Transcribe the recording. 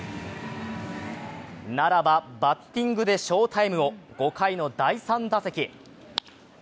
ならばバッティングで翔タイムを５回の第３打席。